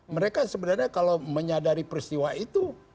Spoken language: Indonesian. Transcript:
mereka sebenarnya kalau menyadari peristiwa itu